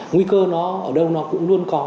nguy cơ nó ở đâu nó cũng luôn có